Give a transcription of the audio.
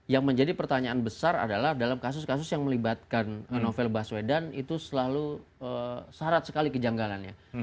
yang menjadi pertanyaan besar adalah dalam kasus kasus yang melibatkan novel baswedan itu selalu syarat sekali kejanggalannya